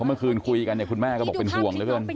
พอเมื่อคืนคุยกันคุณแม่ก็บอกเป็นห่วงเลยครับ